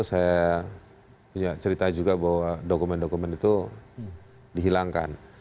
saya punya cerita juga bahwa dokumen dokumen itu dihilangkan